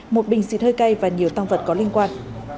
một bình xịt hơi cay và nhiều tăng vật có liên quan